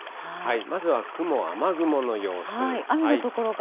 まずは雲、雨雲の様子。